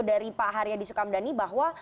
dari pak haryadi sukamdhani bahwa